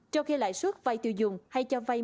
trong khi lãi suất vai tiêu dùng hay cho vay